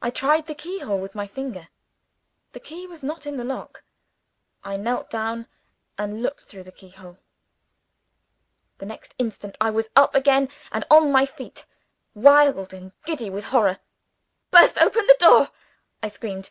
I tried the keyhole with my finger. The key was not in the lock. I knelt down, and looked through the keyhole. The next instant, I was up again on my feet, wild and giddy with horror. "Burst open the door!" I screamed.